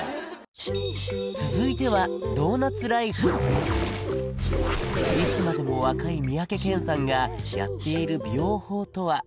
続いてはいつまでも若い三宅健さんがやっている美容法とは？